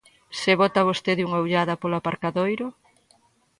Se bota vostede unha ollada polo aparcadoiro...